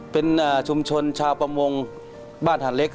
เป็นชุมชนชาวประมงบ้านหาดเล็ก